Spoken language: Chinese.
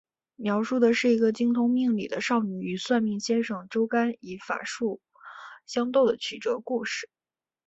描述的是一个精通命理的少女与算命先生周干以术法相斗的曲折故事。